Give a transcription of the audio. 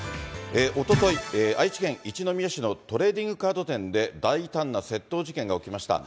おととい、愛知県一宮市のトレーディングカード店で、大胆な窃盗事件が起きました。